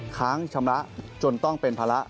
ค้างชำระจนต้องเป็นภาระ